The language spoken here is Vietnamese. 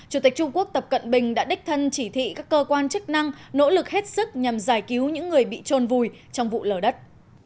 chủ tịch trung quốc tập cận bình đã đích thân chỉ thị các cơ quan chức năng nỗ lực hết sức nhằm giải cứu những người bị trôn vùi trong vụ lở đất